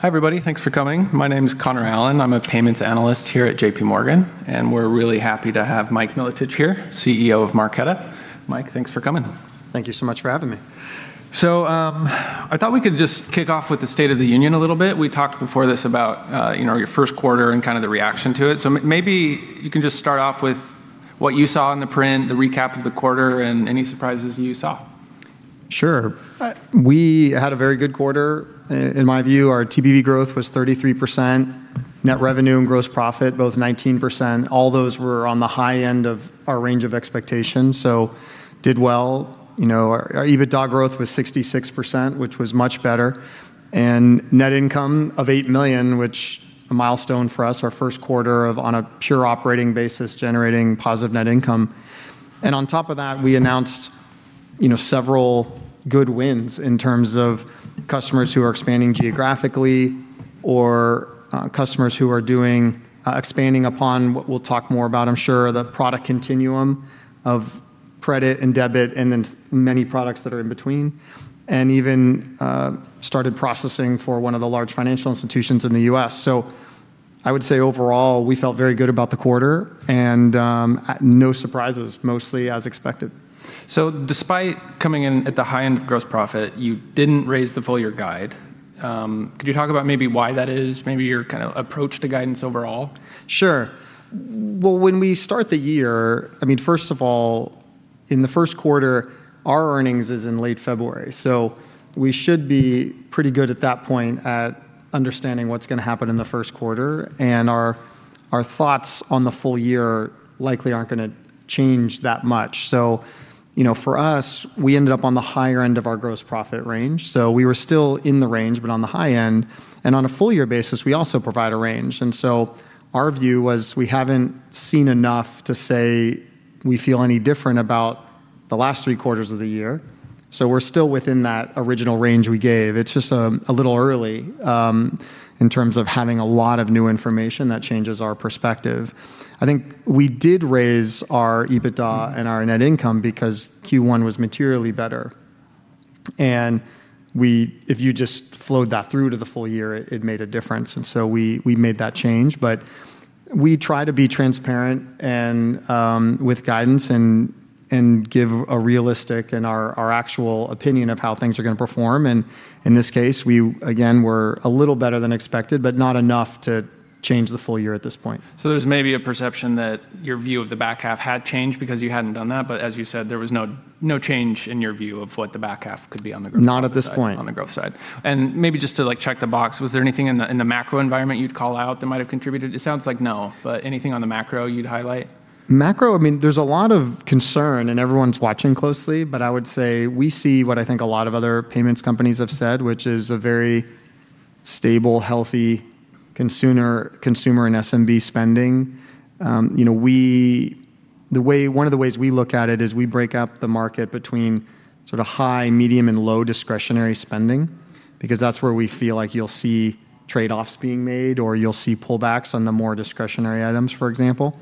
Hi, everybody. Thanks for coming. My name is Connor Allen. I'm a payments analyst here at J.P. Morgan. We're really happy to have Mike Milotich here, CEO of Marqeta. Mike, thanks for coming. Thank you so much for having me. I thought we could just kick off with the state of the union a little bit. We talked before this about, you know, your first quarter and kinda the reaction to it. Maybe you can just start off with what you saw in the print, the recap of the quarter, and any surprises you saw. Sure. We had a very good quarter. In my view, our TPV growth was 33%, net revenue and gross profit both 19%. All those were on the high end of our range of expectations, did well. You know, our EBITDA growth was 66%, which was much better. Net income of $8 million, which a milestone for us, our first quarter of, on a pure operating basis, generating positive net income. On top of that, we announced, you know, several good wins in terms of customers who are expanding geographically or customers who are doing expanding upon what we'll talk more about, I'm sure, the product continuum of credit and debit and the many products that are in between, even started processing for one of the large financial institutions in the U.S. I would say overall, we felt very good about the quarter and, no surprises, mostly as expected. Despite coming in at the high end of gross profit, you didn't raise the full year guide. Could you talk about maybe why that is, maybe your kinda approach to guidance overall? Sure. Well, when we start the year, I mean, first of all, in the first quarter, our earnings is in late February, so we should be pretty good at that point at understanding what's gonna happen in the first quarter. Our, our thoughts on the full year likely aren't gonna change that much. You know, for us, we ended up on the higher end of our gross profit range. We were still in the range, but on the high end. On a full year basis, we also provide a range. Our view was we haven't seen enough to say we feel any different about the last three quarters of the year, so we're still within that original range we gave. It's just a little early in terms of having a lot of new information that changes our perspective. I think we did raise our EBITDA and our net income because Q1 was materially better. If you just flowed that through to the full year, it made a difference. We made that change. We try to be transparent with guidance and give a realistic and our actual opinion of how things are gonna perform. In this case, we, again, were a little better than expected, but not enough to change the full year at this point. There's maybe a perception that your view of the back half had changed because you hadn't done that. As you said, there was no change in your view of what the back half could be on the growth side. Not at this point. On the growth side. Maybe just to, like, check the box, was there anything in the macro environment you'd call out that might have contributed? It sounds like no, but anything on the macro you'd highlight? Macro, there's a lot of concern, everyone's watching closely. I would say we see what I think a lot of other payments companies have said, which is a very stable, healthy consumer and SMB spending. You know, one of the ways we look at it is we break up the market between sorta high, medium, and low discretionary spending, because that's where we feel like you'll see trade-offs being made or you'll see pullbacks on the more discretionary items, for example.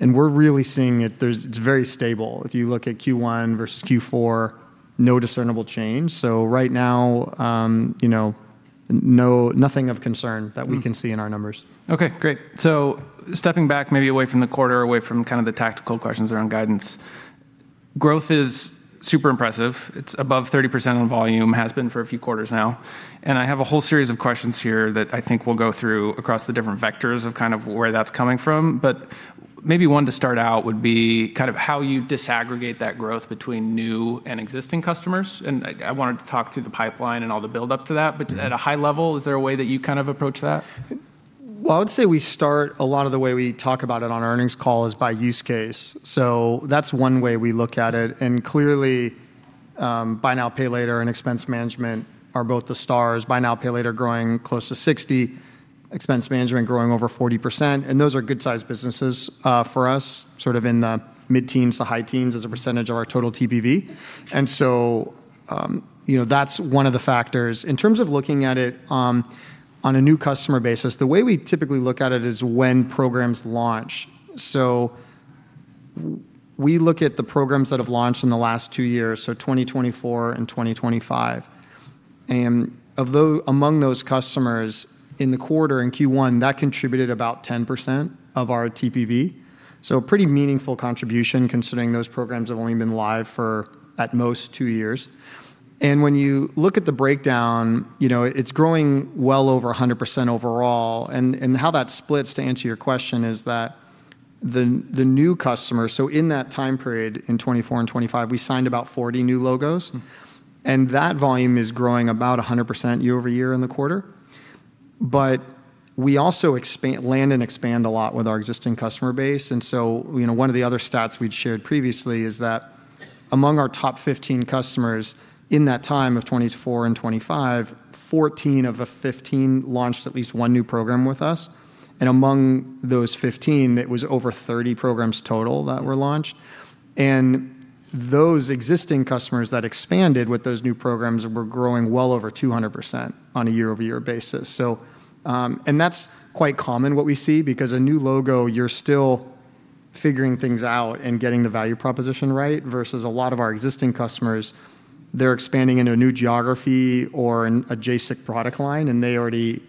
We're really seeing it. It's very stable. If you look at Q1 versus Q4, no discernible change. Right now, you know, nothing of concern that we can see in our numbers. Okay, great. Stepping back maybe away from the quarter, away from kinda the tactical questions around guidance, growth is super impressive. It's above 30% on volume, has been for a few quarters now. I have a whole series of questions here that I think we'll go through across the different vectors of kind of where that's coming from. Maybe one to start out would be kind of how you disaggregate that growth between new and existing customers. Like, I wanted to talk through the pipeline and all the build-up to that. At a high level, is there a way that you kind of approach that? Well, I would say we start a lot of the way we talk about it on our earnings call is by use case. That's one way we look at it. Clearly, buy now, pay later and expense management are both the stars. Buy now, pay later growing close to 60, expense management growing over 40%. Those are good-sized businesses for us, sort of in the mid-teens to high teens as a percentage of our total TPV. You know, that's one of the factors. In terms of looking at it, on a new customer basis, the way we typically look at it is when programs launch. We look at the programs that have launched in the last two years, 2024 and 2025. Among those customers in the quarter in Q1, that contributed about 10% of our TPV. A pretty meaningful contribution considering those programs have only been live for at most two years. When you look at the breakdown, you know, it's growing well over 100% overall. How that splits, to answer your question, is that the new customers, so in that time period, in 2024 and 2025, we signed about 40 new logos. That volume is growing about 100% year-over-year in the quarter. We also land and expand a lot with our existing customer base. You know, one of the other stats we'd shared previously is that among our top 15 customers in that time of 2024 and 2025, 14 of the 15 launched at least one new program with us. Among those 15, it was over 30 programs total that were launched. Those existing customers that expanded with those new programs were growing well over 200% on a year-over-year basis. That's quite common what we see, because a new logo, you're still figuring things out and getting the value proposition right versus a lot of our existing customers, they're expanding into a new geography or an adjacent product line, and they already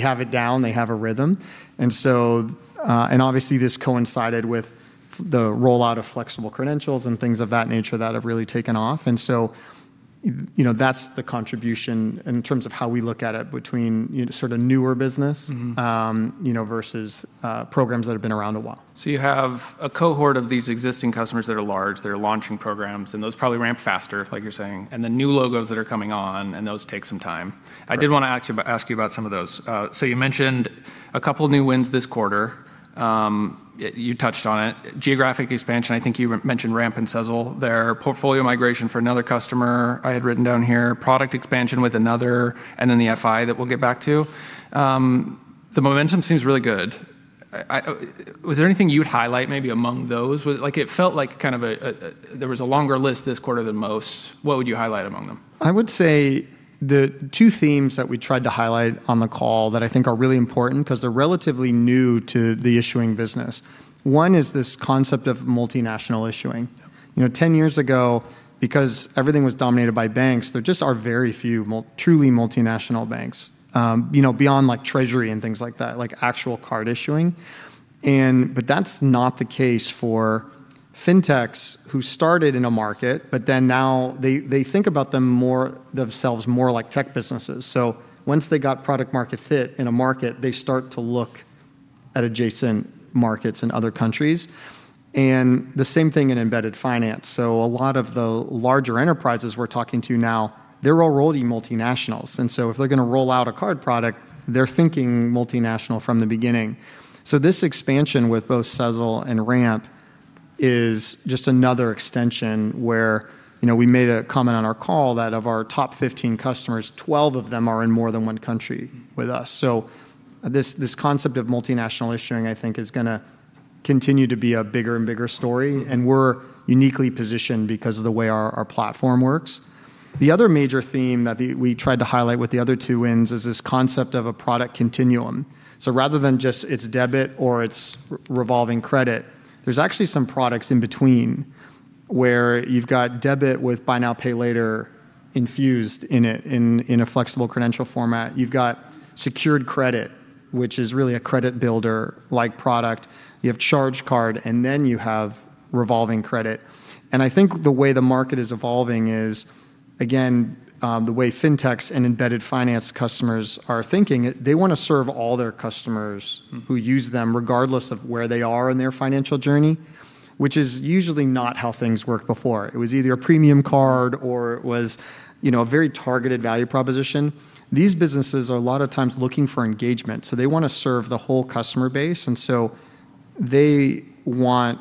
have it down. They have a rhythm. Obviously this coincided with the rollout of Flexible Credential and things of that nature that have really taken off. You know, that's the contribution in terms of how we look at it between, you know, sort of newer business You know, versus programs that have been around a while. You have a cohort of these existing customers that are large, they're launching programs, and those probably ramp faster, like you're saying, and the new logos that are coming on, and those take some time. Right. I did want to ask you about some of those. You mentioned a couple new wins this quarter. You touched on it. Geographic expansion, I think you mentioned Ramp and Sezzle, their portfolio migration for another customer I had written down here, product expansion with another, and then the FI that we'll get back to. The momentum seems really good. Was there anything you'd highlight maybe among those? Like, it felt like kind of a there was a longer list this quarter than most. What would you highlight among them? I would say the two themes that we tried to highlight on the call that I think are really important because they're relatively new to the issuing business. One is this concept of multinational issuing. You know, 10 years ago, because everything was dominated by banks, there just are very few truly multinational banks, you know, beyond like treasury and things like that, like actual card issuing. But that's not the case for fintechs who started in a market, but then now they think about themselves more like tech businesses. Once they got product market fit in a market, they start to look at adjacent markets in other countries. The same thing in embedded finance. A lot of the larger enterprises we're talking to now, they're already multinationals. If they're going to roll out a card product, they're thinking multinational from the beginning. This expansion with both Sezzle and Ramp is just another extension where, you know, we made a comment on our call that of our top 15 customers, 12 of them are in more than one country with us. This concept of multinational issuing, I think, is gonna continue to be a bigger and bigger story, and we're uniquely positioned because of the way our platform works. The other major theme that we tried to highlight with the other two wins is this concept of a product continuum. Rather than just it's debit or it's revolving credit, there's actually some products in between where you've got debit with buy now, pay later infused in a Flexible Credential format. You've got secured credit, which is really a credit builder-like product. You have charge card, then you have revolving credit. I think the way the market is evolving is, again, the way fintechs and embedded finance customers are thinking, they want to serve all their customers who use them regardless of where they are in their financial journey, which is usually not how things worked before. It was either a premium card or it was, you know, a very targeted value proposition. These businesses are a lot of times looking for engagement, so they want to serve the whole customer base. They want,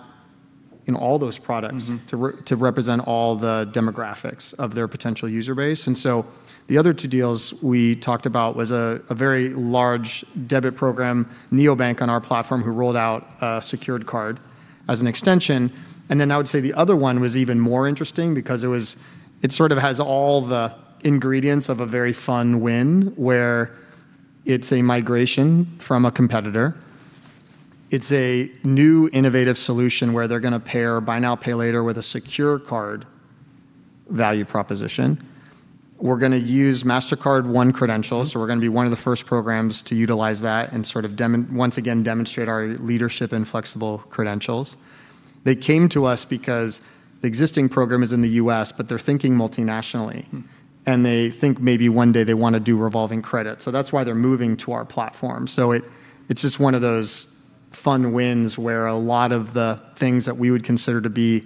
you know to represent all the demographics of their potential user base. The other two deals we talked about was a very large debit program, neobank on our platform, who rolled out a secured card as an extension. I would say the other one was even more interesting because it was sort of has all the ingredients of a very fun win, where it's a migration from a competitor. It's a new innovative solution where they're gonna pair buy now, pay later with a secured card value proposition. We're gonna use Mastercard One credentials. We're gonna be one of the first programs to utilize that and sort of demonstrate our leadership in Flexible credentials. They came to us because the existing program is in the U.S., but they're thinking multinationally. They think maybe one day they want to do revolving credit. That's why they're moving to our platform. It's just one of those fun wins where a lot of the things that we would consider to be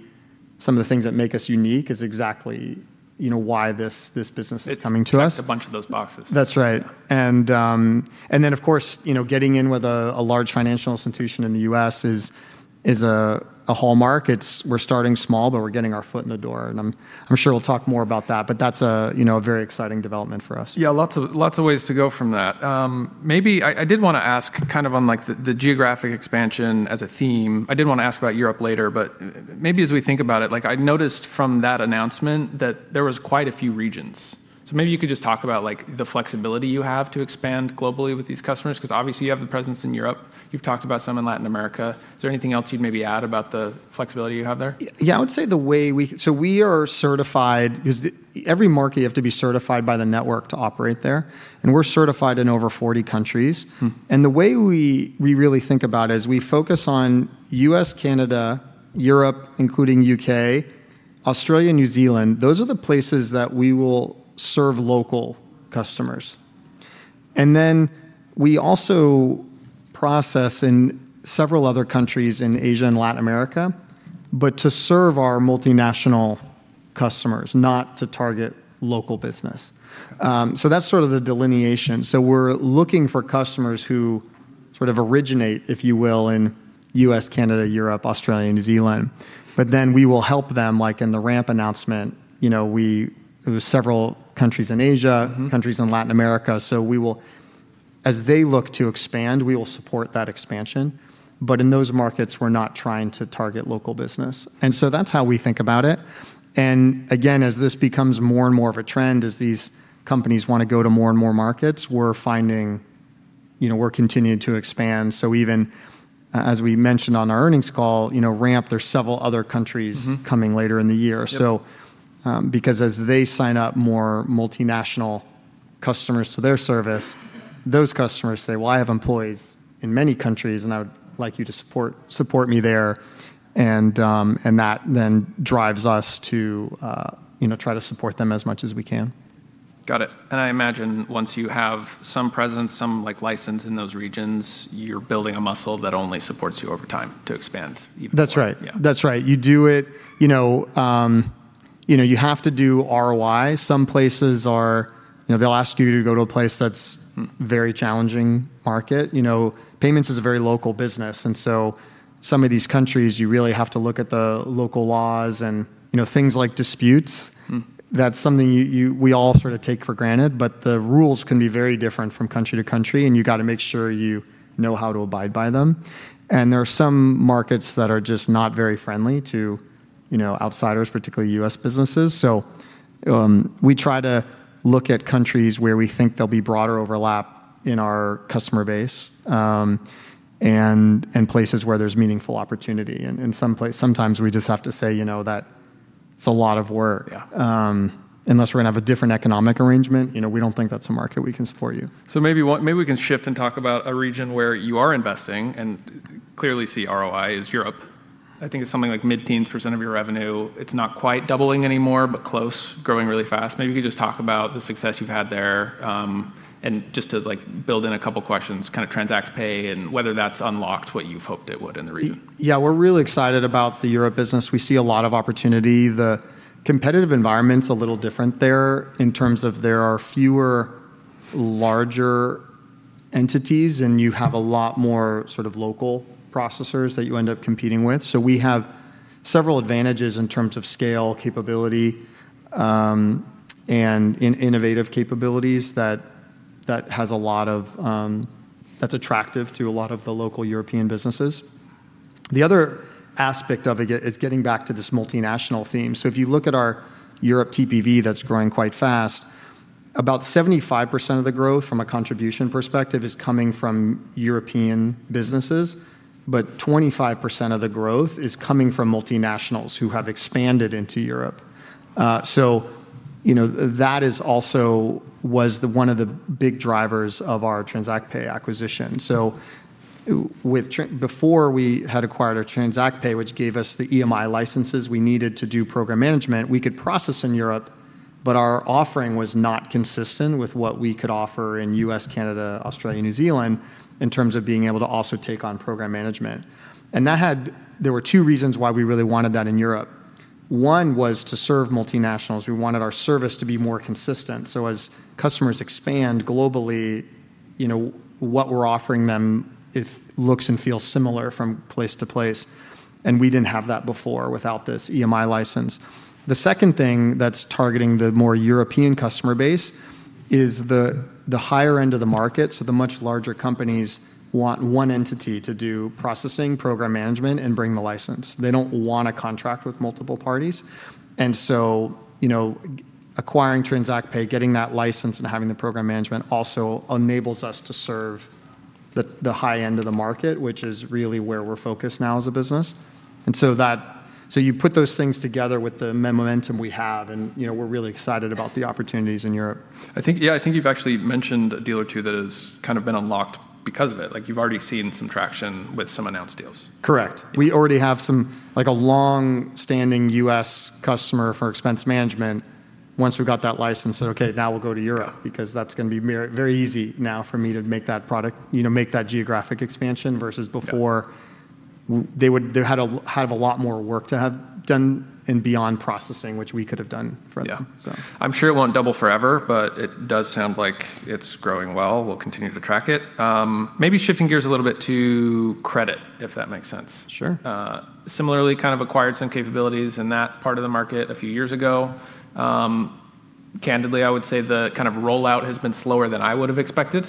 some of the things that make us unique is exactly, you know, why this business is coming to us. It ticks a bunch of those boxes. That's right. Yeah. Then of course, you know, getting in with a large financial institution in the U.S. is a hallmark. It's we're starting small, but we're getting our foot in the door, and I'm sure we'll talk more about that. That's a, you know, a very exciting development for us. Yeah, lots of ways to go from that. Maybe I did wanna ask kind of on like the geographic expansion as a theme. I did wanna ask about Europe later, but maybe as we think about it, like I noticed from that announcement that there was quite a few regions. Maybe you could just talk about like the flexibility you have to expand globally with these customers, because obviously you have the presence in Europe. You've talked about some in Latin America. Is there anything else you'd maybe add about the flexibility you have there? Yeah, we are certified, because every market you have to be certified by the network to operate there, and we're certified in over 40 countries. The way we really think about it is we focus on U.S., Canada, Europe, including U.K., Australia, New Zealand. Those are the places that we will serve local customers. We also process in several other countries in Asia and Latin America, but to serve our multinational customers, not to target local business. That's sort of the delineation. We're looking for customers who sort of originate, if you will, in U.S., Canada, Europe, Australia, New Zealand. We will help them, like in the Ramp announcement, it was several countries in Asia, countries in Latin America. We will, as they look to expand, we will support that expansion. In those markets, we're not trying to target local business. That's how we think about it. Again, as this becomes more and more of a trend, as these companies want to go to more and more markets, we're finding, you know, we're continuing to expand. Even as we mentioned on our earnings call, you know, Ramp, there's several other countries coming later in the year. Yep. Because as they sign up more multinational customers to their service, those customers say, "Well, I have employees in many countries, and I would like you to support me there." That then drives us to, you know, try to support them as much as we can. Got it. I imagine once you have some presence, some, like, license in those regions, you're building a muscle that only supports you over time to expand even more. That's right. Yeah. That's right. You do it, you know, you have to do ROI. Some places are, you know, they'll ask you to go to a place that's very challenging market. You know, payments is a very local business. Some of these countries, you really have to look at the local laws and, you know, things like disputes. That's something we all sort of take for granted, but the rules can be very different from country to country, and you gotta make sure you know how to abide by them. There are some markets that are just not very friendly to, you know, outsiders, particularly U.S. businesses. We try to look at countries where we think there'll be broader overlap in our customer base, and places where there's meaningful opportunity. Sometimes we just have to say, you know, that it's a lot of work. Yeah. Unless we're gonna have a different economic arrangement, you know, we don't think that's a market we can support you. Maybe we can shift and talk about a region where you are investing, and clearly see ROI is Europe. I think it's something like mid-teens percentage of your revenue. It's not quite doubling anymore, but close, growing really fast. Maybe you could just talk about the success you've had there. Just to, like, build in a couple of questions, kinda TransactPay and whether that's unlocked what you've hoped it would in the region. Yeah, we're real excited about the Europe business. We see a lot of opportunity. The competitive environment's a little different there in terms of there are fewer larger entities, and you have a lot more sort of local processors that you end up competing with. We have several advantages in terms of scale capability, and innovative capabilities that has a lot of that's attractive to a lot of the local European businesses. The other aspect of it is getting back to this multinational theme. If you look at our Europe TPV that's growing quite fast, about 75% of the growth from a contribution perspective is coming from European businesses, but 25% of the growth is coming from multinationals who have expanded into Europe. You know, that is also was the, one of the big drivers of our TransactPay acquisition. Before we had acquired our TransactPay, which gave us the EMI licenses we needed to do program management, we could process in Europe, but our offering was not consistent with what we could offer in the U.S., Canada, Australia, New Zealand in terms of being able to also take on program management. There were two reasons why we really wanted that in Europe. One was to serve multinationals. We wanted our service to be more consistent, so as customers expand globally, you know, what we're offering them, it looks and feels similar from place to place, and we didn't have that before without this EMI license. The second thing that's targeting the more European customer base is the higher end of the market, so the much larger companies want one entity to do processing, program management, and bring the license. They don't wanna contract with multiple parties. You know, acquiring TransactPay, getting that license, and having the program management also enables us to serve the high end of the market, which is really where we're focused now as a business. You put those things together with the momentum we have, and, you know, we're really excited about the opportunities in Europe. I think, yeah, I think you've actually mentioned a deal or two that has kind of been unlocked because of it. Like, you've already seen some traction with some announced deals. Correct. Yeah. We already have some, like, a long-standing U.S. customer for expense management. Once we got that license said, "Okay, now we'll go to Europe. Yeah Because that's gonna be very easy now for me to make that product, you know, make that geographic expansion versus before. Yeah They had a lot more work to have done and beyond processing, which we could have done for them. Yeah. So. I'm sure it won't double forever, but it does sound like it's growing well. We'll continue to track it. maybe shifting gears a little bit to credit, if that makes sense. Sure. Similarly kind of acquired some capabilities in that part of the market a few years ago. Candidly, I would say the kind of rollout has been slower than I would've expected.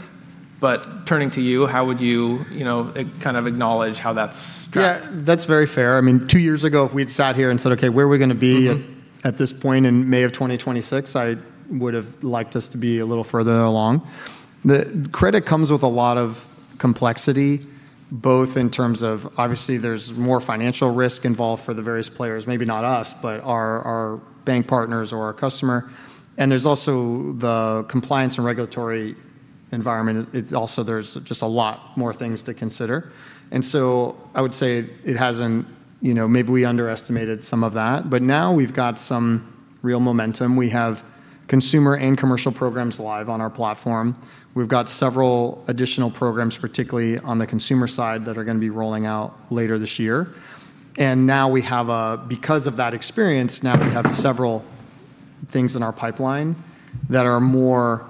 Turning to you, how would you know, kind of acknowledge how that's tracked? Yeah, that's very fair. I mean, two years ago, if we had sat here and said, "Okay, we're gonna be here at this point in May of 2026." I would've liked us to be a little further along. Credit comes with a lot of complexity, both in terms of obviously there's more financial risk involved for the various players. Maybe not us, but our bank partners or our customer, and there's also the compliance and regulatory environment. Also, there's just a lot more things to consider. I would say it hasn't, you know, maybe we underestimated some of that, but now we've got some real momentum. We have consumer and commercial programs live on our platform. We've got several additional programs, particularly on the consumer side, that are gonna be rolling out later this year. Now we have, because of that experience, now we have several things in our pipeline that are more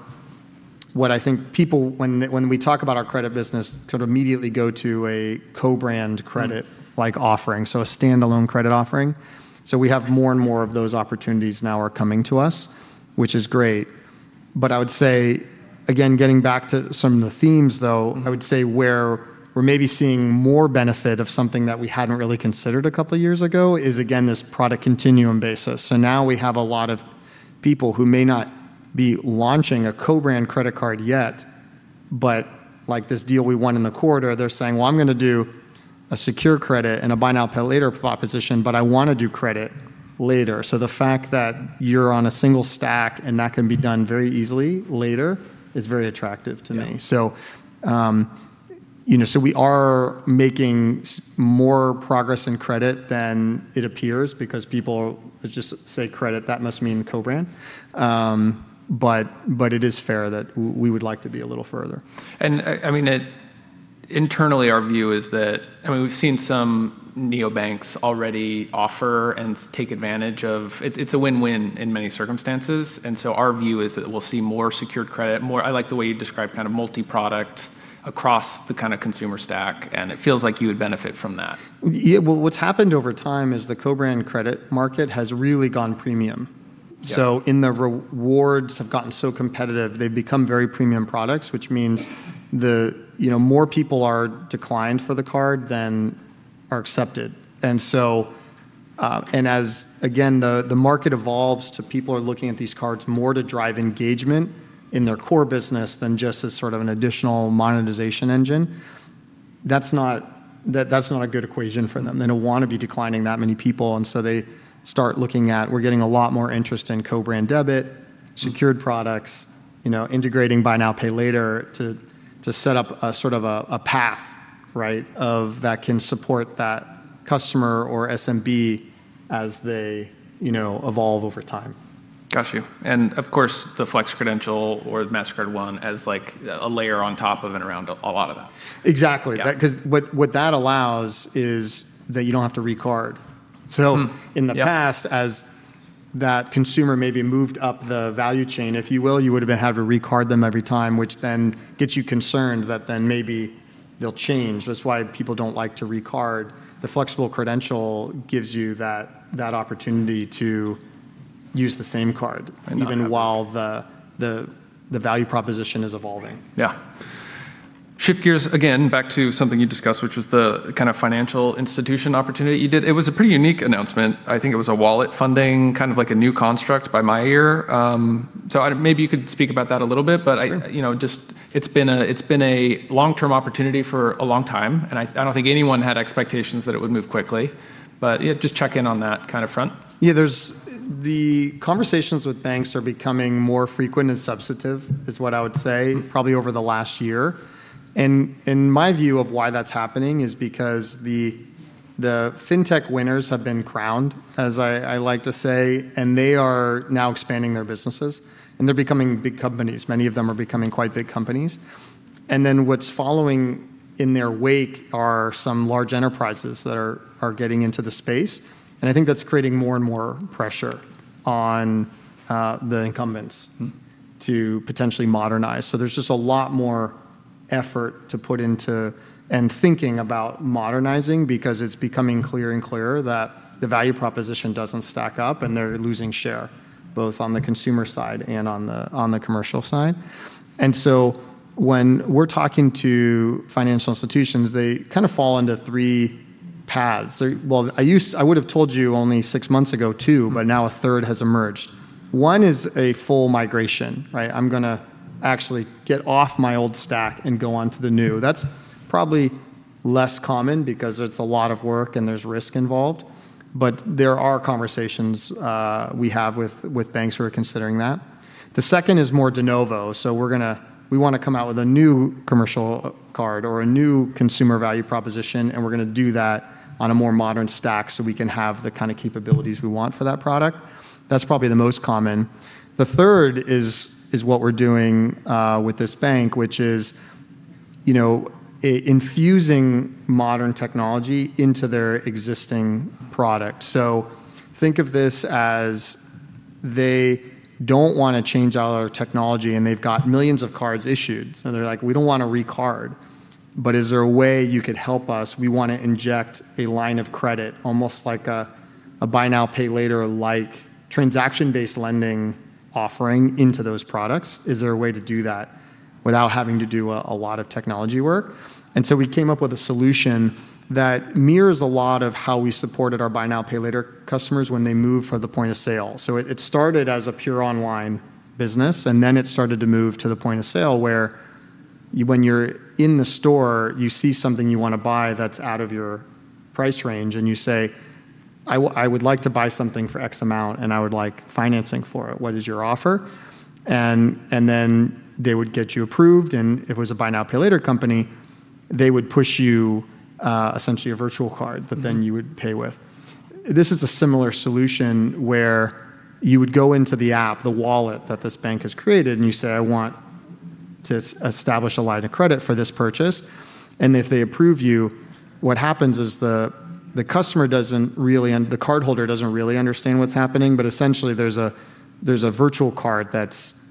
what I think people when we talk about our credit business sort of immediately go to a co-brand credit like offering, a standalone credit offering. We have more and more of those opportunities now are coming to us, which is great. I would say, again, getting back to some of the themes though. I would say where we're maybe seeing more benefit of something that we hadn't really considered a couple years ago is, again, this product continuum basis. Now we have a lot of people who may not be launching a co-brand credit card yet. Like this deal we won in the quarter, they're saying, "Well, I'm gonna do a secured credit and a buy now, pay later proposition, but I wanna do credit later." The fact that you're on a single stack and that can be done very easily later is very attractive to me. Yeah. You know, we are making more progress in credit than it appears because people just say credit, that must mean co-brand. It is fair that we would like to be a little further. I mean, internally, our view is that, I mean, we've seen some neobanks already offer and take advantage of it's a win-win in many circumstances. Our view is that we'll see more secured credit, more, I like the way you described kind of multi-product across the kind of consumer stack, and it feels like you would benefit from that. Yeah. Well, what's happened over time is the co-brand credit market has really gone premium. Yeah. The rewards have gotten so competitive, they've become very premium products, which means, you know, more people are declined for the card than are accepted. As again, the market evolves to people are looking at these cards more to drive engagement in their core business than just as sort of an additional monetization engine, that's not a good equation for them. They don't wanna be declining that many people. They start looking at, we're getting a lot more interest in co-brand debit. Sure. Secured products, you know, integrating buy now, pay later to set up a sort of a path that can support that customer or SMB as they, you know, evolve over time. Got you. Of course, the Flex Credential or the Mastercard one as like a layer on top of and around a lot of that. Exactly. Yeah. That, 'cause what that allows is that you don't have to re-card. Yeah. In the past, as that consumer maybe moved up the value chain, if you will, you would've been have to re-card them every time, which then gets you concerned that maybe they'll change. That's why people don't like to re-card. The Flexible Credential gives you that opportunity to use the same card. Not have. Even while the value proposition is evolving. Yeah. Shift gears again back to something you discussed, which was the kinda financial institution opportunity you did. It was a pretty unique announcement. I think it was a wallet funding, kind of like a new construct by my ear. Maybe you could speak about that a little bit? Sure You know, just it's been a long-term opportunity for a long time. Yes I don't think anyone had expectations that it would move quickly. Yeah, just check in on that kind of front. Yeah, the conversations with banks are becoming more frequent and substantive, is what I would say, probably over the last year. My view of why that's happening is because the fintech winners have been crowned, as I like to say, and they are now expanding their businesses, and they're becoming big companies. Many of them are becoming quite big companies. Then what's following in their wake are some large enterprises that are getting into the space, and I think that's creating more and more pressure on the incumbents to potentially modernize. There's just a lot more effort to put into and thinking about modernizing because it's becoming clearer and clearer that the value proposition doesn't stack up and they're losing share, both on the consumer side and on the commercial side. When we're talking to financial institutions, they kind of fall into three paths. Well, I would have told you only six months ago, two, but now a third has emerged. One is a full migration, right? I'm going to actually get off my old stack and go onto the new. That's probably less common because it's a lot of work and there's risk involved, but there are conversations we have with banks who are considering that. The second is more de novo, we're gonna, we wanna come out with a new commercial card or a new consumer value proposition, and we're gonna do that on a more modern stack so we can have the kind of capabilities we want for that product. That's probably the most common. The third is what we're doing, with this bank, which is, you know, infusing modern technology into their existing product. Think of this as they don't wanna change all our technology, and they've got millions of cards issued, so they're like, "We don't wanna re-card, but is there a way you could help us? We wanna inject a line of credit, almost like a buy now, pay later, like transaction-based lending offering into those products. Is there a way to do that without having to do a lot of technology work? We came up with a solution that mirrors a lot of how we supported our buy now, pay later customers when they move for the point of sale. It started as a pure online business, and then it started to move to the point of sale, where when you're in the store, you see something you want to buy that's out of your price range and you say, "I would like to buy something for X amount, and I would like financing for it. What is your offer?" Then they would get you approved, and if it was a buy now, pay later company, they would push you essentially a virtual card that then you would pay with. This is a similar solution where you would go into the app, the wallet that this bank has created, you say, "I want to establish a line of credit for this purchase." If they approve you, what happens is the customer doesn't really, and the cardholder doesn't really understand what's happening, but essentially there's a virtual card that's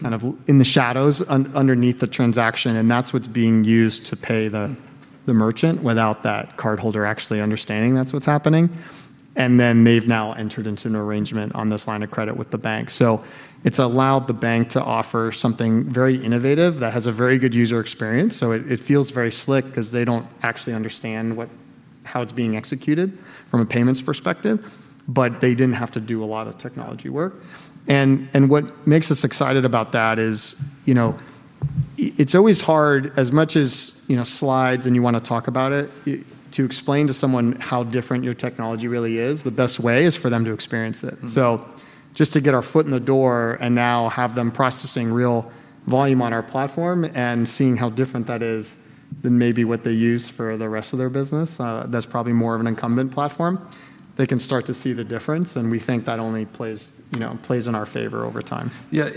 kind of in the shadows underneath the transaction, and that's what's being used to pay the merchant without that cardholder actually understanding that's what's happening. Then they've now entered into an arrangement on this line of credit with the bank. It's allowed the bank to offer something very innovative that has a very good user experience. It, it feels very slick 'cause they don't actually understand How it's being executed from a payments perspective, but they didn't have to do a lot of technology work. What makes us excited about that is, you know, it's always hard, as much as, you know, slides and you wanna talk about it, to explain to someone how different your technology really is, the best way is for them to experience it. Just to get our foot in the door and now have them processing real volume on our platform and seeing how different that is than maybe what they use for the rest of their business, that's probably more of an incumbent platform, they can start to see the difference, and we think that only plays, you know, plays in our favor over time. Yeah,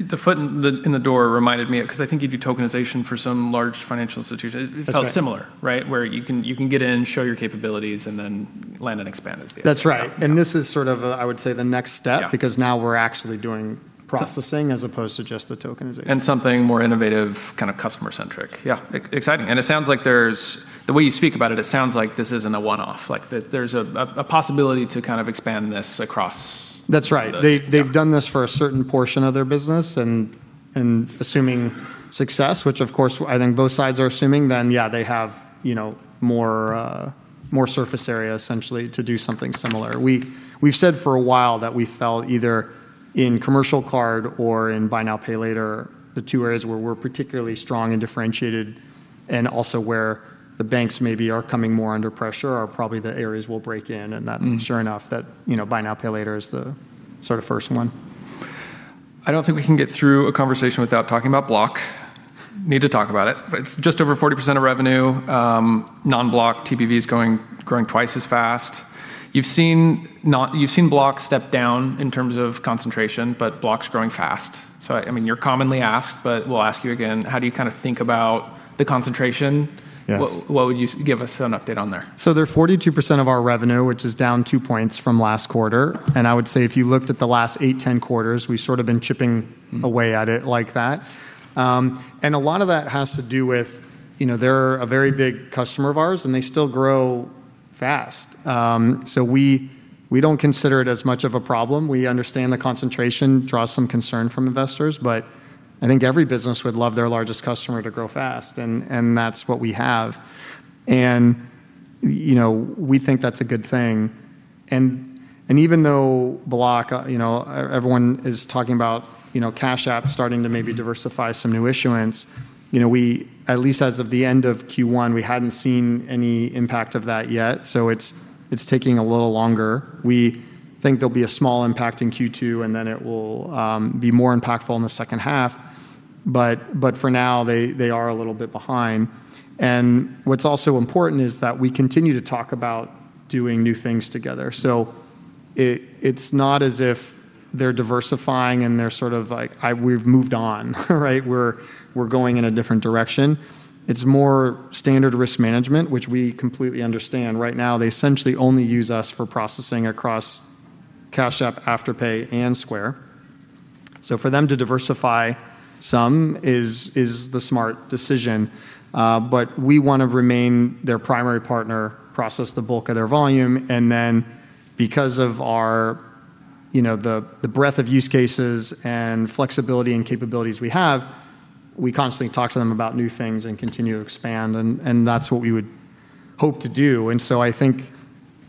the foot in the door reminded me, 'cause I think you do tokenization for some large financial institution. That's right. It felt similar, right? Where you can get in, show your capabilities, and then land and expand. That's right. Yeah. This is sort of a, I would say, the next step. Yeah. Now we're actually doing processing. Yeah. As opposed to just the tokenization. Something more innovative, kind of customer centric. Yeah. Exciting. It sounds like there's, the way you speak about it sounds like this isn't a one-off. Like, there's a possibility to kind of expand this across- That's right. Yeah. They've done this for a certain portion of their business, and assuming success, which of course I think both sides are assuming, then yeah, they have, you know, more surface area essentially to do something similar. We've said for a while that we felt either in commercial card or in buy now, pay later, the two areas where we're particularly strong and differentiated, and also where the banks maybe are coming more under pressure are probably the areas we'll break in. Sure enough, that, you know, buy now, pay later is the sort of first one. I don't think we can get through a conversation without talking about Block. Need to talk about it. It's just over 40% of revenue. Non-Block TPV is growing twice as fast. You've seen Block step down in terms of concentration, but Block's growing fast. Yeah I mean, you're commonly asked, but we'll ask you again, how do you kind of think about the concentration? Yes. What, give us an update on there. They're 42% of our revenue, which is down two points from last quarter, and I would say if you looked at the last eight, 10 quarters, we've sort of been chipping away at it like that. A lot of that has to do with, you know, they're a very big customer of ours, and they still grow fast. We don't consider it as much of a problem. We understand the concentration draws some concern from investors, I think every business would love their largest customer to grow fast and that's what we have. You know, we think that's a good thing. Even though Block, you know, everyone is talking about, you know, Cash App starting to maybe diversify some new issuance, you know, we, at least as of the end of Q1, we hadn't seen any impact of that yet, it's taking a little longer. We think there'll be a small impact in Q2, it will be more impactful in the second half. For now they are a little bit behind. What's also important is that we continue to talk about doing new things together. It's not as if they're diversifying and they're sort of like, "we've moved on," right? "We're going in a different direction." It's more standard risk management, which we completely understand. Right now they essentially only use us for processing across Cash App, Afterpay, and Square. For them to diversify some is the smart decision. We want to remain their primary partner, process the bulk of their volume, and because of our, you know, the breadth of use cases and flexibility and capabilities we have, we constantly talk to them about new things and continue to expand, and that's what we would hope to do. I think,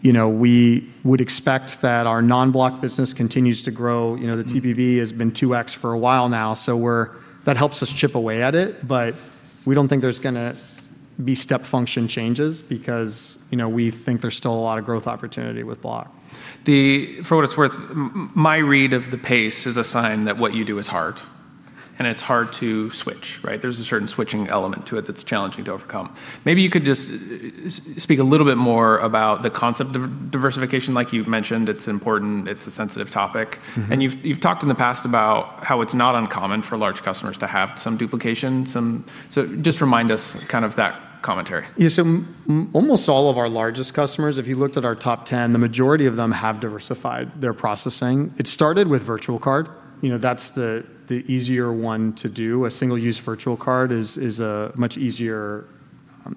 you know, we would expect that our non-Block business continues to grow. You know, the TPV has been 2x for a while now, that helps us chip away at it, but we don't think there's going to be step function changes because, you know, we think there's still a lot of growth opportunity with Block. The, for what it's worth, my read of the pace is a sign that what you do is hard, and it's hard to switch, right? There's a certain switching element to it that's challenging to overcome. Maybe you could just speak a little bit more about the concept of diversification like you've mentioned. It's important. It's a sensitive topic. You've talked in the past about how it's not uncommon for large customers to have some duplication. Just remind us kind of that commentary. Yeah, so almost all of our largest customers, if you looked at our top 10, the majority of them have diversified their processing. It started with virtual card. You know, that's the easier one to do. A single-use virtual card is a much easier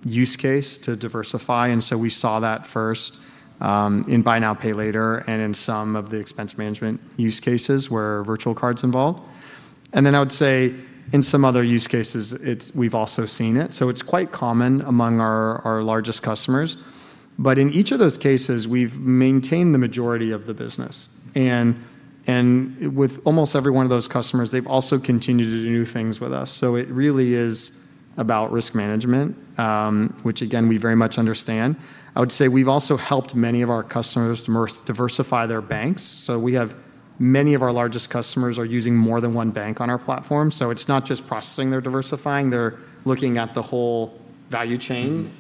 use case to diversify, we saw that first in buy now, pay later, and in some of the expense management use cases where a virtual card's involved. I would say in some other use cases we've also seen it's quite common among our largest customers. In each of those cases, we've maintained the majority of the business. With almost every one of those customers, they've also continued to do things with us. It really is about risk management, which again, we very much understand. I would say we've also helped many of our customers diversify their banks. Many of our largest customers are using more than one bank on our platform, it's not just processing they're diversifying. They're looking at the whole value chain.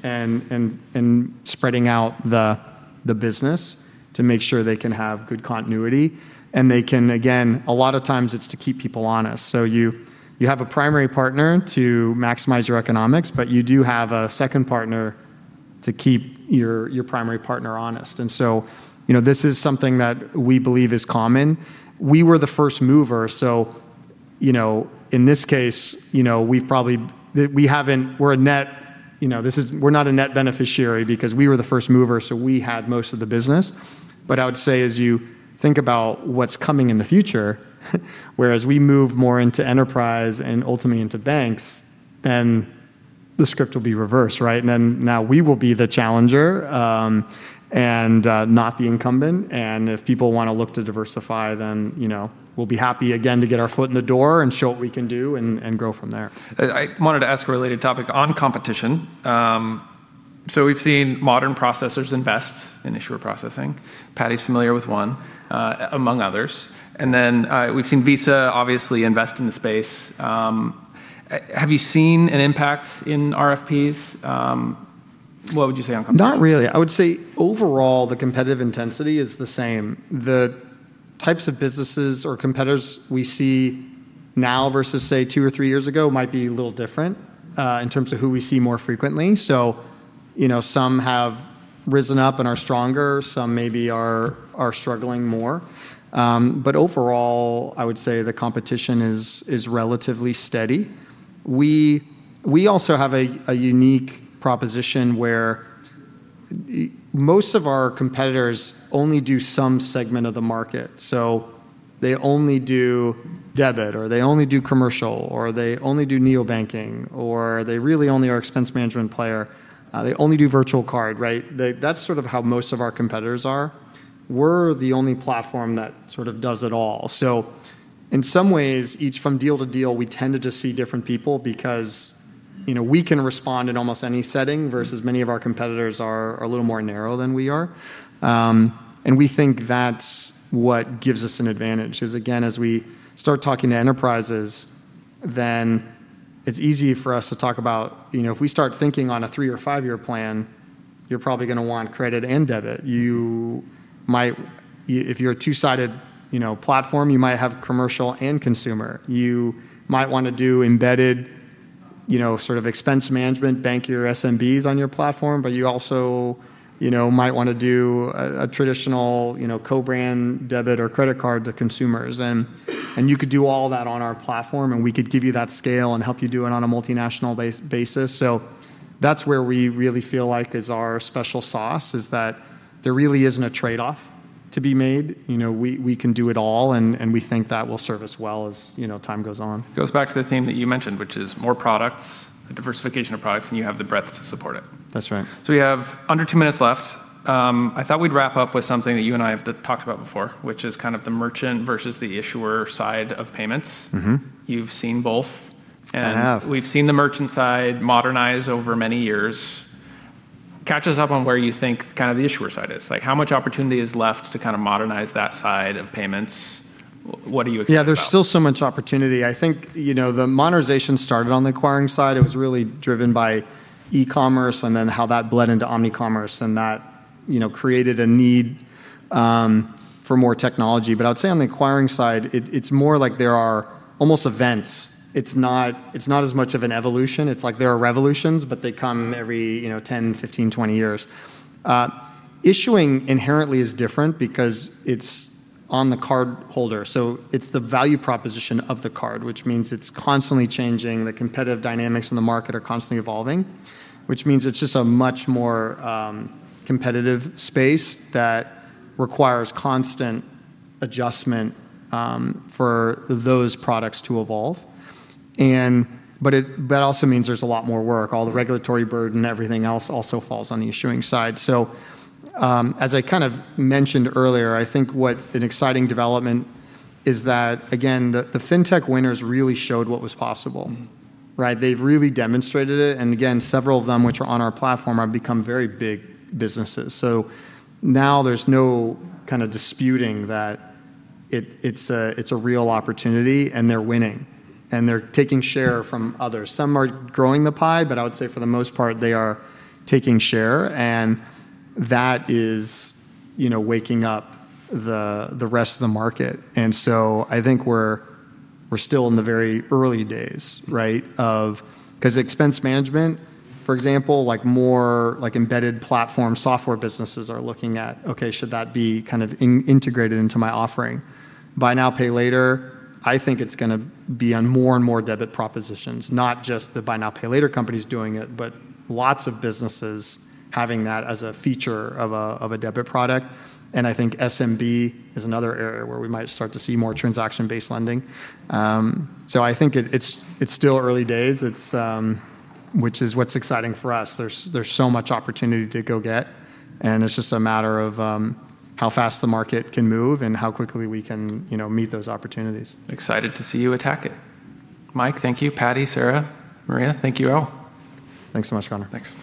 spreading out the business to make sure they can have good continuity, and they can, again, a lot of times it's to keep people honest. You have a primary partner to maximize your economics, but you do have a second partner to keep your primary partner honest. You know, this is something that we believe is common. We were the first mover, you know, in this case, you know, we're not a net beneficiary because we were the first mover, so we had most of the business. I would say as you think about what's coming in the future, whereas we move more into enterprise and ultimately into banks, then the script will be reversed, right? Now we will be the challenger, and not the incumbent. If people wanna look to diversify, then, you know, we will be happy again to get our foot in the door and show what we can do and grow from there. I wanted to ask a related topic on competition. We've seen modern processors invest in issuer processing. Paddy's familiar with one among others. We've seen Visa obviously invest in the space. Have you seen an impact in RFPs? What would you say on competition? Not really. I would say overall, the competitive intensity is the same. The types of businesses or competitors we see now versus, say, two or three years ago might be a little different, in terms of who we see more frequently. You know, some have risen up and are stronger, some maybe are struggling more. Overall, I would say the competition is relatively steady. We also have a unique proposition where most of our competitors only do some segment of the market. They only do debit, or they only do commercial, or they only do neobanking, or they really only are expense management player. They only do virtual card, right? That's sort of how most of our competitors are. We're the only platform that sort of does it all. In some ways, each from deal to deal, we tend to just see different people because, you know, we can respond in almost any setting versus many of our competitors are a little more narrow than we are. We think that's what gives us an advantage is, again, as we start talking to enterprises, then it's easy for us to talk about, you know, if we start thinking on a three or five-year plan, you're probably gonna want credit and debit. If you're a two-sided, you know, platform, you might have commercial and consumer. You might wanna do embedded, you know, sort of expense management, bank your SMBs on your platform, but you also, you know, might wanna do a traditional, you know, co-brand debit or credit card to consumers. You could do all that on our platform, and we could give you that scale and help you do it on a multinational basis. That's where we really feel like is our special sauce, is that there really isn't a trade-off to be made. You know, we can do it all, and we think that will serve us well as, you know, time goes on. It goes back to the theme that you mentioned, which is more products, a diversification of products, and you have the breadth to support it. That's right. We have under two minutes left. I thought we'd wrap up with something that you and I have talked about before, which is kind of the merchant versus the issuer side of payments. You've seen both. I have. We've seen the merchant side modernize over many years. Catch us up on where you think kind of the issuer side is. Like, how much opportunity is left to kinda modernize that side of payments? What are you excited about? Yeah, there's still so much opportunity. I think, you know, the modernization started on the acquiring side. It was really driven by e-commerce and then how that bled into omni-commerce, and that, you know, created a need for more technology. I'd say on the acquiring side, it's more like there are almost events. It's not as much of an evolution. It's like there are revolutions, but they come every, you know, 10, 15, 20 years. Issuing inherently is different because it's on the card holder, so it's the value proposition of the card, which means it's constantly changing. The competitive dynamics in the market are constantly evolving, which means it's just a much more competitive space that requires constant adjustment for those products to evolve. That also means there's a lot more work. All the regulatory burden, everything else also falls on the issuing side. As I kind of mentioned earlier, I think what an exciting development is that again, the fintech winners really showed what was possible, right? They've really demonstrated it, and again, several of them which are on our platform have become very big businesses. Now there's no kinda disputing that it's a real opportunity, and they're winning, and they're taking share from others. Some are growing the pie, I would say for the most part, they are taking share, and that is, you know, waking up the rest of the market. I think we're still in the very early days, right, 'cause expense management, for example, like embedded platform software businesses are looking at, okay, should that be kind of integrated into my offering? Buy now, pay later, I think it's gonna be on more and more debit propositions, not just the buy now, pay later companies doing it, but lots of businesses having that as a feature of a debit product. I think SMB is another area where we might start to see more transaction-based lending. I think it's still early days. It's what's exciting for us. There's so much opportunity to go get, and it's just a matter of how fast the market can move and how quickly we can, you know, meet those opportunities. Excited to see you attack it. Mike, thank you. Paddy, Sarah, Maria, thank you all. Thanks so much, Connor. Thanks.